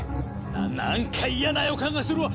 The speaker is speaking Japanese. ななんか嫌な予感がするわ。